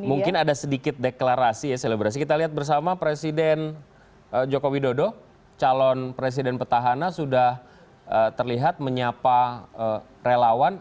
mungkin ada sedikit deklarasi ya selebrasi kita lihat bersama presiden joko widodo calon presiden petahana sudah terlihat menyapa relawan